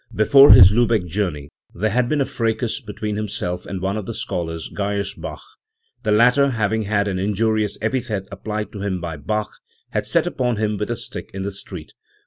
' Before his Lubeck journey there had been a fracas between himself and one of the scholars, Geyersbach. The latter, having had an injurious epithet applied to him by Bach, had set upon him with a stick in the street.